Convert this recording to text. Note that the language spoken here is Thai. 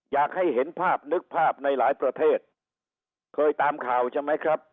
อยากให้เห็นภาพนึกภาพในหลายประเทศเคยตามข่าวใช่ไหมครับ